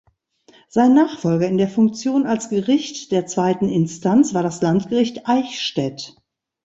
Sein Nachfolger in der Funktion als Gericht der zweiten Instanz war das Landgericht Eichstätt.